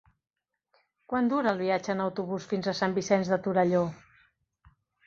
Quant dura el viatge en autobús fins a Sant Vicenç de Torelló?